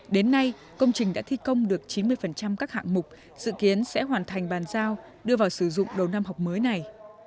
đến nay công trình đã thi công được chín mươi các hạng mục dự kiến sẽ hoàn thành bàn giao đưa vào sử dụng đầu năm học mới này